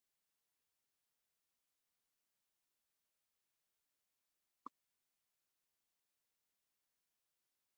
غوږونه له طبل نه متاثره کېږي